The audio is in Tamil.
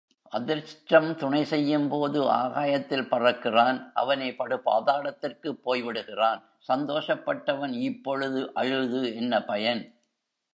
அதிர்ஷ்டம் துணை செய்யும்போது ஆகாயத்தில் பறக்கிறான் அவனே படுபாதாளத்திற்குப் போய் விடுகிறான் சந்தோஷப்பட்டவன் இப்பொழுது அழுது என்ன பயன்?